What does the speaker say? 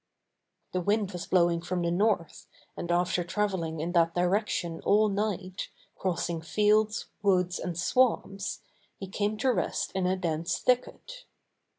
The wind was blowing from the north, and after traveling in that direction all night, crossing fields, woods and swamps, he came to rest in a dense thicket.